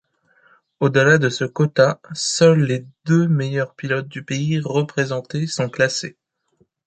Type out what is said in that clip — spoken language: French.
Au-delà de ce quota, seuls les deux meilleurs pilotes du pays représenté sont classés.